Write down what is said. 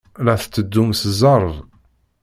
La tetteddum s zzerb.